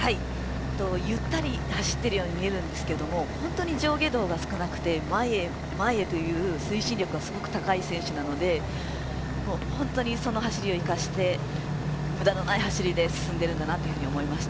ゆったり走っているように見えるんですけれども、本当に上下動が少なくて、前へ前へという推進力がすごく高い選手なので、その走りを生かして、無駄のない走りで進んでいると思います。